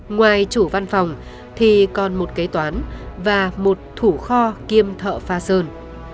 ngoài chủ văn phòng thì còn một kế toán và một thủ kho kiêm thợ pha sơn